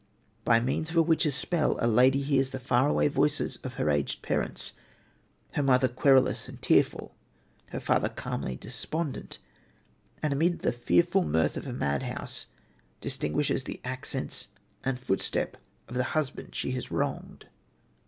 By means of a witch's spell, a lady hears the far away voices of her aged parents her mother querulous and tearful, her father calmly despondent and amid the fearful mirth of a madhouse distinguishes the accents and footstep of the husband she has wronged.